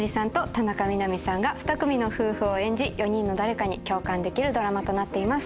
田中みな実さんが２組の夫婦を演じ４人の誰かに共感できるドラマとなっています。